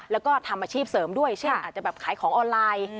แล้วก็ทำอาชีพเสริมด้วยเช่นอาจจะแบบขายของออนไลน์